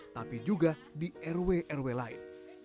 tapi juga di rw rw lain